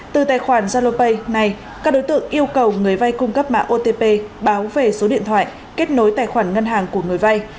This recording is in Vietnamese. từ tài khoản zalopay này các đối tượng yêu cầu người vay cung cấp mạng otp báo về số điện thoại kết nối tài khoản ngân hàng của người vay